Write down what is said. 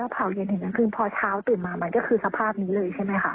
เผาเย็นถึงกลางคืนพอเช้าตื่นมามันก็คือสภาพนี้เลยใช่ไหมคะ